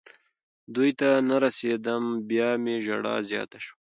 دوی ته نه رسېدم. بیا مې ژړا زیاته شوه.